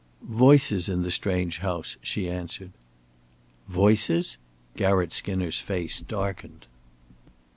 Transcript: "Voices in the strange house," she answered. "Voices?" Garratt Skinner's face darkened.